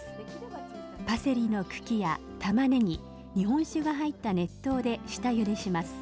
パセリの茎やたまねぎ日本酒が入った熱湯で下ゆでします。